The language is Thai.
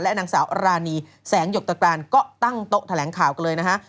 นางสาวรานีแสงหยกตรการก็ตั้งโต๊ะแถลงข่าวกันเลยนะฮะ